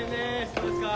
どうですか？